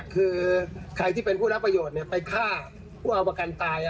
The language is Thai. คือใครที่เป็นผู้รับประโยชน์ไปฆ่าผู้เอาประกันตาย